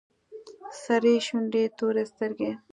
سرې شونډې تورې سترگې.